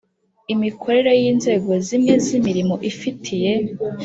imikorere y inzego zimwe z imirimo ifitiye